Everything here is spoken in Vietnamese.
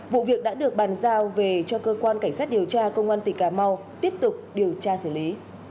vụ việc đã được bàn giao về cho cơ quan cảnh sát điều tra công an tỉnh cà mau tiếp tục điều tra xử lý